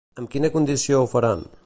Amb quina condició ho faran?